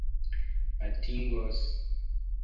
atingos